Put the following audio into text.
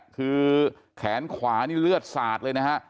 คือแขนขวานี่เลือดสาดเลยนะฮะ